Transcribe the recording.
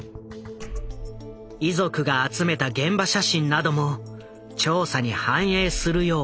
遺族が集めた現場写真なども調査に反映するよう声を上げ続けた。